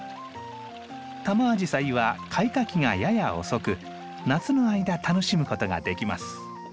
タマアジサイは開花期がやや遅く夏の間楽しむことができます。